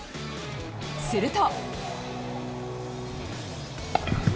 すると。